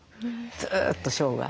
ずっと生涯。